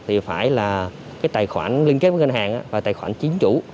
thì phải là cái tài khoản liên kết với ngân hàng và tài khoản chính chủ